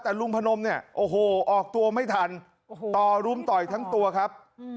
แต่ลุงพนมเนี่ยโอ้โหออกตัวไม่ทันต่อรุมต่อยทั้งตัวครับ